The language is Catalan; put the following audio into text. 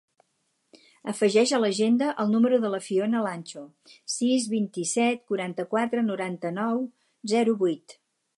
Afegeix a l'agenda el número de la Fiona Lancho: sis, vint-i-set, quaranta-quatre, noranta-nou, zero, vuit.